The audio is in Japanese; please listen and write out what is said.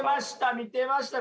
見てました！